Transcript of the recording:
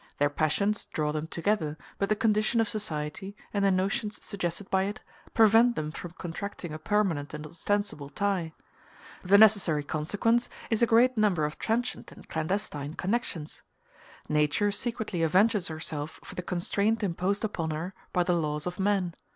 Their passions draw them together, but the condition of society, and the notions suggested by it, prevent them from contracting a permanent and ostensible tie. The necessary consequence is a great number of transient and clandestine connections. Nature secretly avenges herself for the constraint imposed upon her by the laws of man.